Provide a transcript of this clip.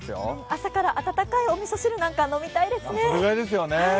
朝から温かいおみそ汁なんか、飲みたいですね。